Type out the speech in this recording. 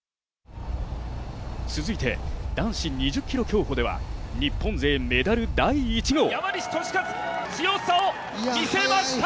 続いて男子２０ｋｍ競歩では日本勢メダル第１号。